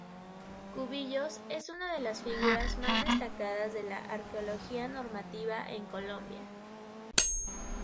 Cubillos es una de las figuras más destacadas de la arqueología normativa en Colombia.